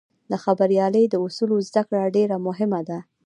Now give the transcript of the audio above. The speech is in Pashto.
د خبریالۍ د اصولو زدهکړه ډېره مهمه ده.